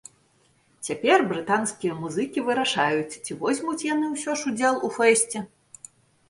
Цяпер брытанскія музыкі вырашаюць, ці возьмуць яны ўсё ж удзел у фэсце.